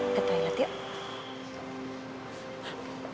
ketahui lah tiap